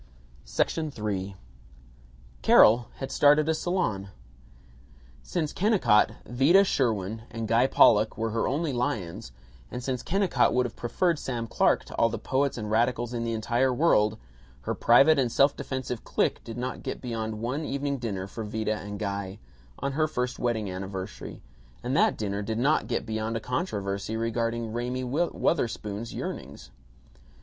III Carol had started a salon. Since Kennicott, Vida Sherwin, and Guy Pollock were her only lions, and since Kennicott would have preferred Sam Clark to all the poets and radicals in the entire world, her private and self defensive clique did not get beyond one evening dinner for Vida and Guy, on her first wedding anniversary; and that dinner did not get beyond a controversy regarding Raymie Wutherspoon's yearnings.